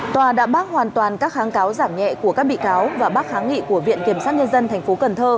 tòa đã bác hoàn toàn các kháng cáo giảm nhẹ của các bị cáo và bác kháng nghị của viện kiểm sát nhân dân tp cần thơ